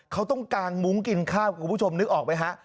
เขาต้องกางมุ้งกินข้าวคุณผู้ชมนึกออกไหมฮะ